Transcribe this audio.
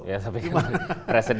presiden ini kan kemudian kan bersatu